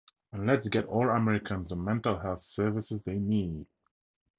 And let’s get all Americans the mental health services they need.